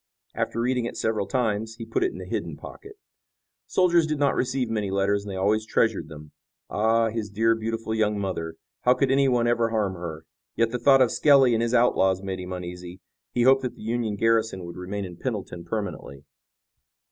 After reading it several times he put it in a hidden pocket. Soldiers did not receive many letters and they always treasured them. Ah, his dear, beautiful young mother! How could anyone ever harm her! Yet the thought of Skelly and his outlaws made him uneasy. He hoped that the Union garrison would remain in Pendleton permanently.